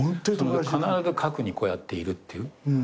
必ず核にこうやっているっていう。